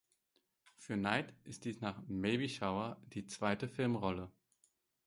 Für Knight ist dies nach "Maybe Shower" die zweite Filmrolle.